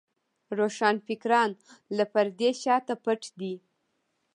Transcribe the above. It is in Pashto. روښانفکران له پردې شاته پټ دي.